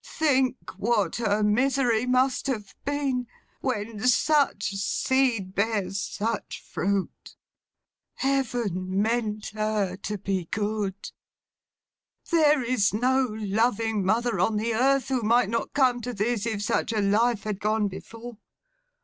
Think what her misery must have been, when such seed bears such fruit! Heaven meant her to be good. There is no loving mother on the earth who might not come to this, if such a life had gone before.